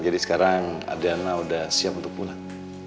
jadi sekarang adriana udah siap untuk pulang